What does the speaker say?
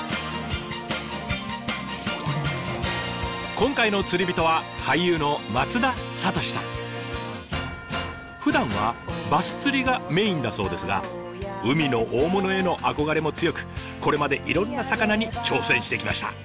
今回の釣りびとはふだんはバス釣りがメインだそうですが海の大物への憧れも強くこれまでいろんな魚に挑戦してきました。